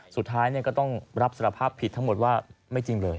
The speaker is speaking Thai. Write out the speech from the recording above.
สุดท้ายก็ต้องรับสารภาพผิดทั้งหมดว่าไม่จริงเลย